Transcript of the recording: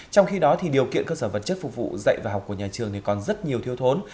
trong khi đó điều kiện cơ sở vật chất phục vụ dạy và học của nhà trường còn rất nhiều thiếu thốn